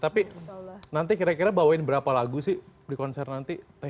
tapi nanti kira kira bawain berapa lagu sih di kolom komentar ya